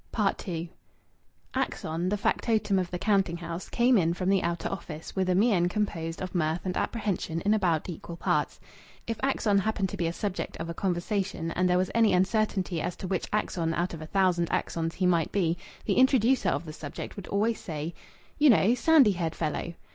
II Axon, the factotum of the counting house, came in from the outer office, with a mien composed of mirth and apprehension in about equal parts. If Axon happened to be a subject of a conversation and there was any uncertainty as to which Axon out of a thousand Axons he might be, the introducer of the subject would always say, "You know sandy haired fellow."